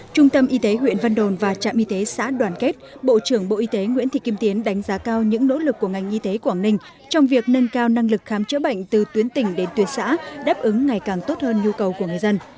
trung tâm y tế huyện văn đồn và trạm y tế xã đoàn kết bộ trưởng bộ y tế nguyễn thị kim tiến đánh giá cao những nỗ lực của ngành y tế quảng ninh trong việc nâng cao năng lực khám chữa bệnh từ tuyến tỉnh đến tuyến xã đáp ứng ngày càng tốt hơn nhu cầu của người dân